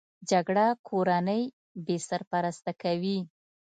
جګړه کورنۍ بې سرپرسته کوي